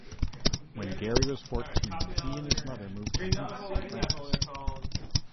When Gary was fourteen, he and his mother moved to Nice, France.